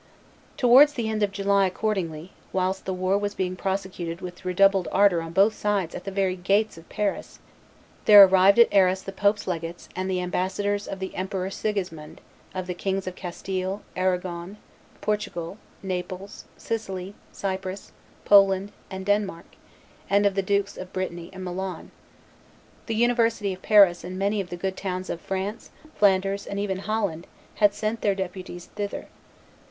Towards the end of July, accordingly, whilst the war was being prosecuted with redoubled ardor on both sides at the very gates of Paris, there arrived at Arras the pope's legates and the ambassadors of the Emperor Sigismund, of the Kings of Castile, Aragon, Portugal, Naples, Sicily, Cyprus, Poland, and Denmark, and of the Dukes of Brittany and Milan. The university of Paris and many of the good towns of France, Flanders, and even Holland, had sent their deputies thither.